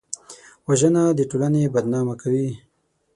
وژنه د ټولنې بدنامه کوي